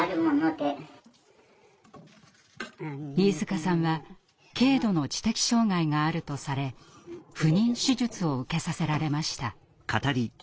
飯塚さんは軽度の知的障害があるとされ不妊手術を受けさせられました。